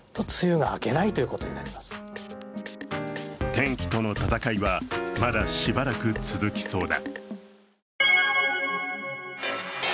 天気との闘いはまだしばらく続きそうだ。